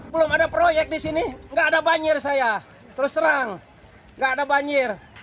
belum ada proyek di sini nggak ada banjir saya terus terang nggak ada banjir